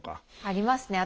ありますね。